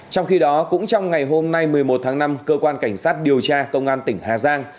trong khi đó cũng trong ngày hôm nay một mươi một tháng năm cơ quan cảnh sát điều tra công an tỉnh hà giang